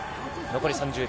残り３０秒。